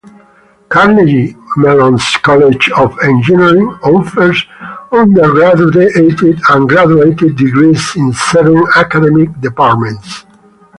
Carnegie Mellon's College of Engineering offers undergraduate and graduate degrees in seven academic departments.